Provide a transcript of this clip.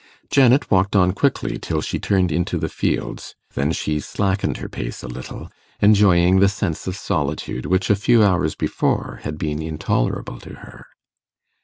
Janet walked on quickly till she turned into the fields; then she slackened her pace a little, enjoying the sense of solitude which a few hours before had been intolerable to her.